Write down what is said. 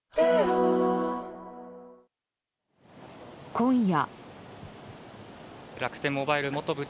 今夜。